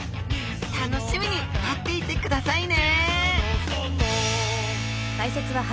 楽しみに待っていてくださいね！